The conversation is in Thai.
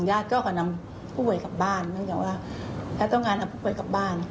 ญาติก็ก่อนนำผู้ป่วยกลับบ้านเพราะต้องการทำผู้ป่วยกลับบ้าน